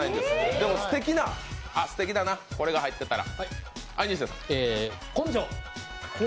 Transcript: でも、すてきだな、これが入ってたら。